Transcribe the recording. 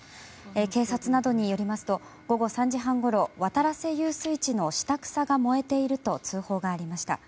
警察などによりますと午後３時半ごろ渡良瀬遊水地の下草が燃えていると通報がありました。